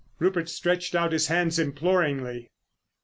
Rupert stretched out his hands imploringly.